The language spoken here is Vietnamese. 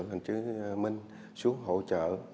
hình chứng minh xuống hỗ trợ